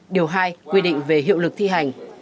điều hai quy định về hiệu lực thi hành